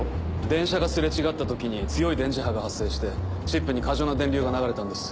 電車がすれ違った時に強い電磁波が発生してチップに過剰な電流が流れたんです。